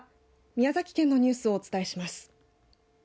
宮崎県のニュースをお伝えします。